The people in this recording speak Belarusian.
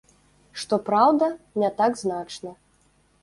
Што праўда, не так значна.